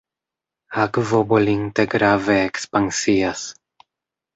Akvo bolinte grave ekspansias.